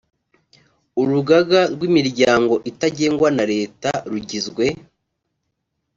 urugaga rw imiryango itagengwa na leta rugizwe